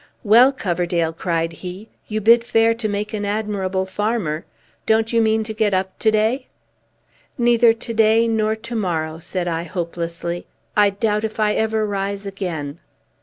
"Well, Coverdale," cried he, "you bid fair to make an admirable farmer! Don't you mean to get up to day?" "Neither to day nor to morrow," said I hopelessly. "I doubt if I ever rise again!"